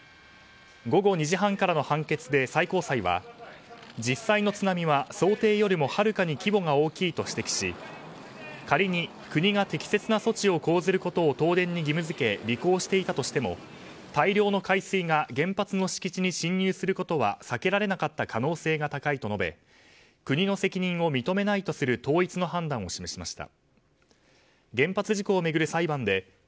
午後２時半からの判決で最高裁は実際の津波は想定よりもはるかに規模が大きいと指摘し仮に国が適切な措置を講ずることを東電に義務付け履行していたとしても大量の海水が原発の敷地に侵入することは避けられなかった可能性が高いと述べ国の責任を認めないとする統一の判断を示しました。